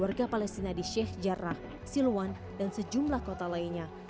warga palestina di sheikh jarrah silwan dan sejumlah kota lainnya